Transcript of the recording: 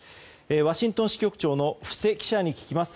ワシントン支局長の布施記者に聞きます。